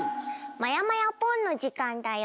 「まやまやぽん！」の時間だよ。